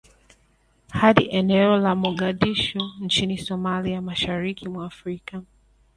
Hadi eneo la Mogadishu nchini Somalia mashariki mwa Afrika